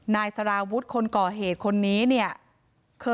นายพิรายุนั่งอยู่ติดกันแบบนี้นะคะ